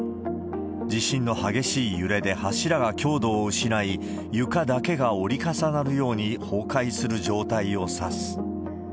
地震の激しい揺れで柱が強度を失い、床だけが折り重なるように崩壊する状態を指す。